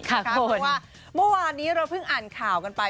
เพราะว่าเมื่อวานนี้เราเพิ่งอ่านข่าวกันไป